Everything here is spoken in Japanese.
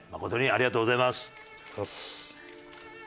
ありがとうございます。